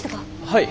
はい。